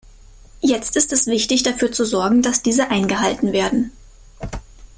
Jetzt ist es wichtig, dafür zu sorgen, dass diese eingehalten werden.